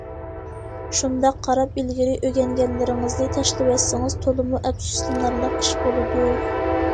شۇنداق قاراپ ئىلگىرى ئۆگەنگەنلىرىڭىزنى تاشلىۋەتسىڭىز تولىمۇ ئەپسۇسلىنارلىق ئىش بولىدۇ.